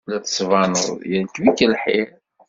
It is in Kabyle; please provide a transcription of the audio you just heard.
La d-tettbaned yerkeb-ik lḥir.